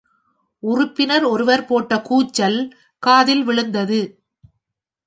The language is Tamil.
உறுப்பினர் ஒருவர் போட்ட கூச்சல் காதில் விழுந்தது.